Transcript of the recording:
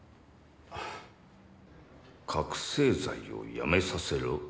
覚せい剤をやめさせろ？